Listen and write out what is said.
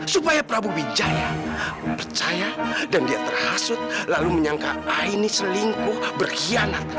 supaya prabu wijaya percaya dan dia terhasut lalu menyangka ah ini selingkuh berkhianat